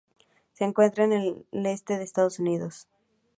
Se encuentra en el este de Estados Unidos.